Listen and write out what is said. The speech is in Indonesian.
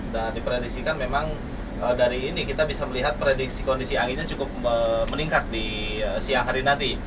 dan diprediksikan memang dari ini kita bisa melihat prediksi kondisi anginnya cukup meningkat di siang hari nanti